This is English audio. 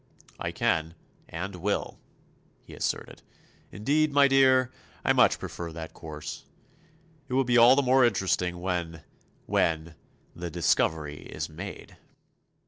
"I can, and will," he asserted. "Indeed, my dear, I much prefer that course. It will be all the more interesting when—when—the discovery is made."